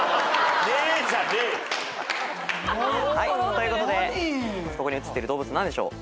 ということでここに映ってる動物何でしょう？